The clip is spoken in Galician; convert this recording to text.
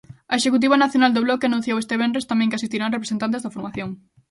A Executiva nacional do Bloque anunciou este venres tamén que asistirán representantes da formación.